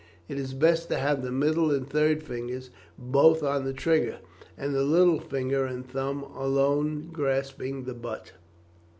It is best to have the middle and third fingers both on the trigger, and the little finger and thumb alone grasping the butt.